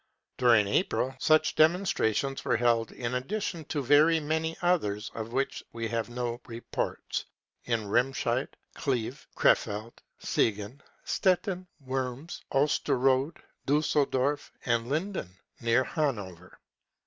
During April such demonstrations were held — in addition to very many others of which we have no reports — in Remscheid, Cleve, Krefeld, Siegen, Stettin, Worms, Osterode, Diisseldorf, and Linden near Hanover.